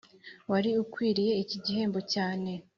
wari ukwiriye iki gihembo cyane.